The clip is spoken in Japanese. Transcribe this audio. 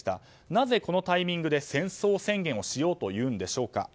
なぜこのタイミングで戦争宣言をしようというのでしょうか。